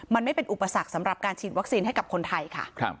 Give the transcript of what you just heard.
มันไม่เป็นอุปสรรคสำหรับการฉีดวัคซีนให้กับคนไทยค่ะ